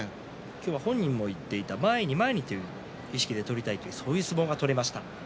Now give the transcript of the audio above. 今日は本人も言っていた前に前にという意識で取りたいと言ってましたがそういう相撲が取れました。